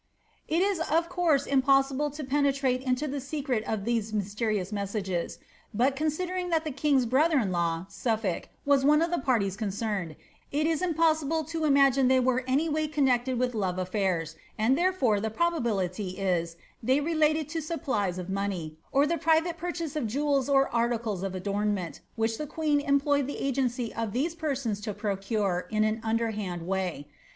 "* It is of course impossible to penetrate into the secret of these myste rious messages, but considering that the king's brother in law, Suffolk, was one of the parties concerned, it is impossible to imagine they were any way connected with love a&irs, and therefore the probability is, tbcy related to supplies of money, or the private purchase of jewels or articles of adornment, which the queen employed the agency of these persons to procure in an underhand way.